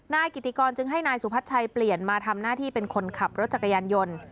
นายกิติกรจึงให้นายสุพัชชัยเปลี่ยนมาทำหน้าที่เป็นคนขับรถจักรยานยนต์